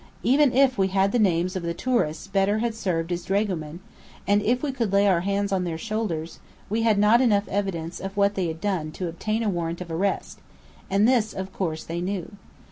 Even if we had the names of the "tourists" Bedr had served as dragoman, and if we could lay our hands on their shoulders, we had not enough evidence of what they had done to obtain a warrant of arrest: and this of course they knew.